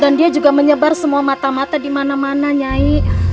dan dia juga menyebar semua mata mata dimana mana nyai